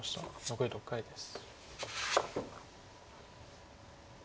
残り６回です。